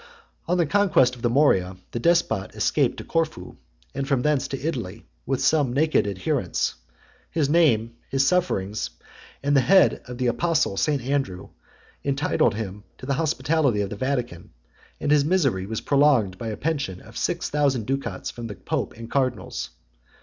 On the conquest of the Morea, the despot escaped to Corfu, and from thence to Italy, with some naked adherents: his name, his sufferings, and the head of the apostle St. Andrew, entitled him to the hospitality of the Vatican; and his misery was prolonged by a pension of six thousand ducats from the pope and cardinals.